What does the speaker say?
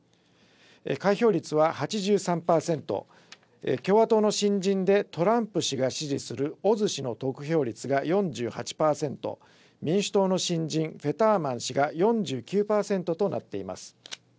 開票率は８３％、共和党の新人でトランプ氏が支持するオズ氏の得票率が４８％、民主党の新人、フェターマン氏が４９％となっています。